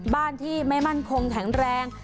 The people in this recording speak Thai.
บ้านที่ไม่มั่นคงแข็งแรง